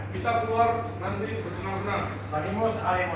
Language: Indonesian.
kita keluar menunjukkan apa yang kita bisa